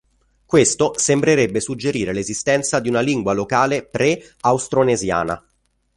Questo sembrerebbe suggerire l'esistenza di una lingua locale pre-austronesiana.